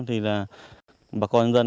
thì là bà con dân cũng đúng